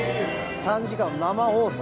３時間生放送。